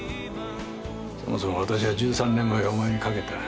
そもそも私は１３年前お前にかけた。